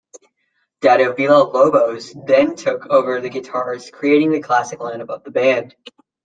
Dado Villa-Lobos then took over the guitars, creating the classic line-up of the band.